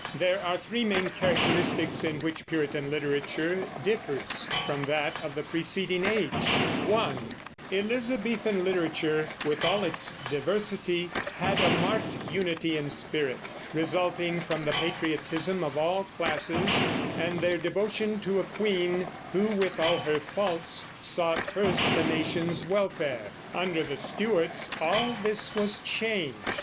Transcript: There are three main characteristics in which Puritan literature differs from that of the preceding age: (1) Elizabethan literature, with all its diversity, had a marked unity in spirit, resulting from the patriotism of all classes and their devotion to a queen who, with all her faults, sought first the nation's welfare. Under the Stuarts all this was changed.